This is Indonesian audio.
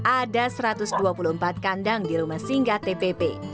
ada satu ratus dua puluh empat kandang di rumah singgah tpp